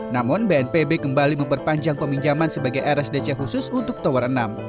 namun bnpb kembali memperpanjang peminjaman sebagai rsdc khusus untuk tower enam